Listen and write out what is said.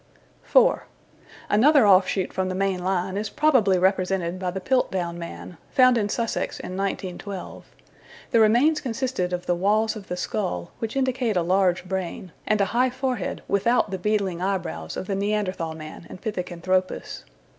4. Another offshoot from the main line is probably represented by the Piltdown man, found in Sussex in 1912. The remains consisted of the walls of the skull, which indicate a large brain, and a high forehead without the beetling eyebrows of the Neanderthal man and Pithecanthropus.